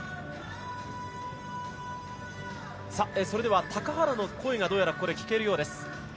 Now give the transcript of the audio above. それでは高原の声が聞けるようです。